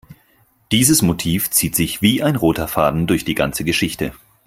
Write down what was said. Dieses Motiv zieht sich wie ein roter Faden durch die ganze Geschichte.